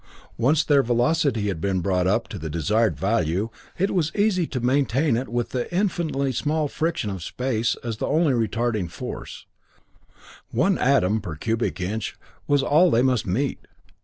Once their velocity had been brought up to the desired value, it was easy to maintain it with the infinitely small friction of space as the only retarding force; one atom per cubic inch was all they must meet.